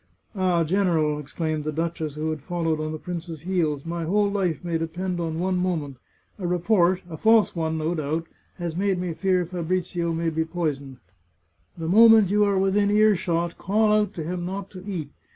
" Ah, general !" exclaimed the duchess, who had followed on the prince's heels, " My whole life may depend on one moment. A report — a false one, no doubt — has made me fear Fabrizio may be poisoned. The moment you are within earshot, call out to him not to eat.